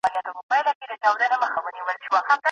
پرله پسې لوستونکو تل د نويو چاپ شويو کتابونو غوښتنه کوله.